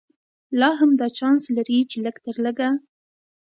لا هم دا چانس لري چې لږ تر لږه.